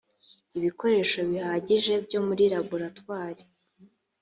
ibikoresho bihagije byo muri laboratwari